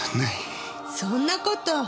そんな事！